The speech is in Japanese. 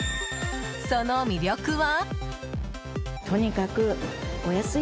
その魅力は。